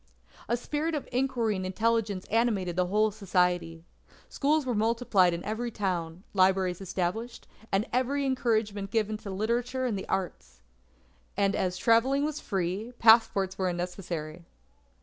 "A spirit of inquiry and intelligence animated the whole society. Schools were multiplied in every town; libraries established; and every encouragement given to literature and the arts. And as travelling was free, passports were unnecessary.